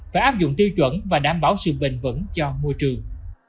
phải áp dụng tiêu chuẩn và đảm bảo sự bình vẩn cho môi trường